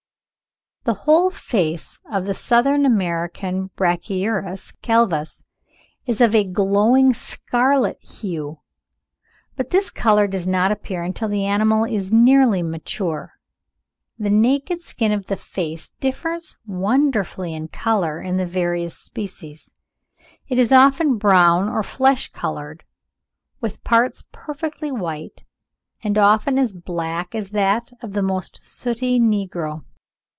The whole face of the South American Brachyurus calvus is of a "glowing scarlet hue"; but this colour does not appear until the animal is nearly mature. (46. Bates, 'The Naturalist on the Amazons,' 1863, vol. ii. p. 310.) The naked skin of the face differs wonderfully in colour in the various species. It is often brown or flesh colour, with parts perfectly white, and often as black as that of the most sooty negro.